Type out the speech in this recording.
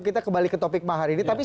kita kembali ke topik mahar ini tapi